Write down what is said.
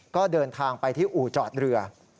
ก็เดินทางไปที่อู่จอดเรือ